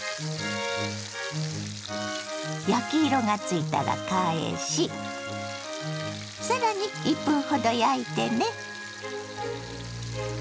焼き色がついたら返しさらに１分ほど焼いてね。